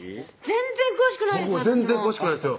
全然詳しくないです